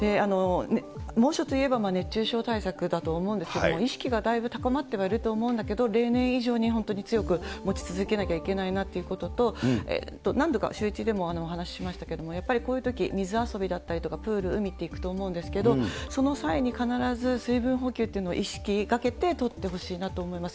猛暑といえば熱中症対策だと思うんですけども、意識がだいぶ高まってはいると思うんだけど、例年以上に本当に強く持ち続けなきゃいけないなということと、何度かシューイチでもお話ししましたけれども、やっぱりこういうとき、水遊びだったりとかプール、海って行くと思うんですけれども、その際に必ず水分補給というのを意識かけて、とってほしいなと思います。